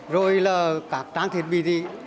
rồi là các trang thiết bị gì